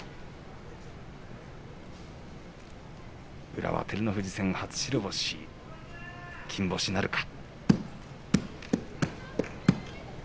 宇良は照ノ富士戦初白星金星なるか。